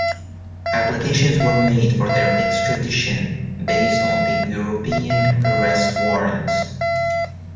Applications were made for their extradition based on the European Arrest Warrants.